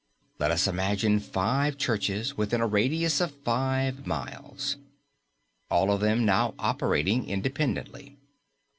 Let us imagine five churches within a radius of five miles. All of them now operating independently.